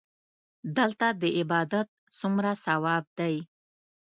دلته د عبادت څومره ثواب دی.